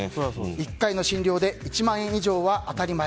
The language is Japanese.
１回の診療で１万円以上は当たり前。